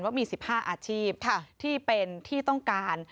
ว่ามี๑๕อาชีพที่เป็นที่ต้องการ